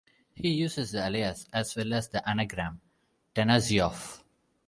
He uses the alias, as well as the anagram, "Tanaziof".